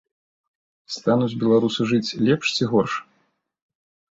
Стануць беларусы жыць лепш ці горш?